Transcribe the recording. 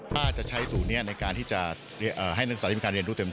ถ้าจะใช้ศูนย์นี้ในการที่จะให้นักศึกษาที่มีการเรียนรู้เต็ม